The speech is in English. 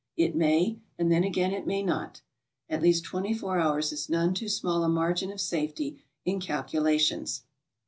It may, and then again it may not. At least 24 hours is none too small a margin of safety in calculations.